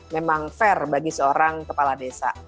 memang fair bagi seorang kepala desa